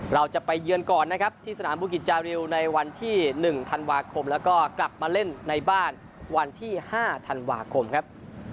เราจะไปเยือนก่อนนะครับที่สนามบุกิจจาริวในวันที่๑ธันวาคมแล้วก็กลับมาเล่นในบ้านวันที่๕ธันวาคมครับ